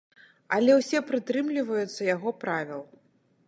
Але ўсе прытрымліваюцца яго правіл.